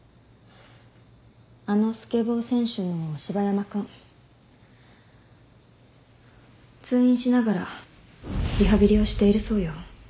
あのスケボー選手の芝山君通院しながらリハビリをしているそうよ。